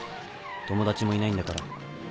友達もいないんだから。